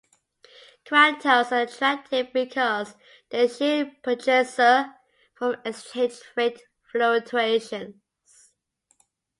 Quantos are attractive because they shield the purchaser from exchange rate fluctuations.